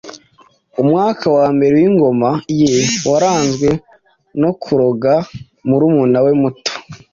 Umwaka wa mbere w’ingoma ye waranzwe no kuroga murumuna we muto